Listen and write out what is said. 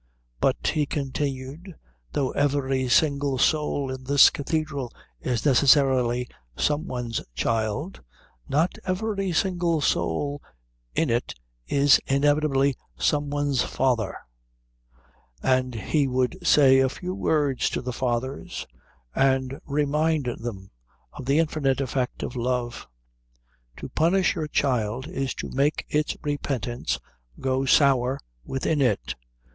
But, he continued, though every single soul in this cathedral is necessarily some one's child, not every single soul in it is inevitably some one's father, and he would say a few words to the fathers and remind them of the infinite effect of love. To punish your child is to make its repentance go sour within it.